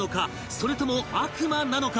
それとも悪魔なのか？